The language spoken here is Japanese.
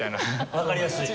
わかりやすい。